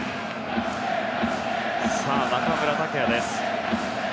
中村剛也です。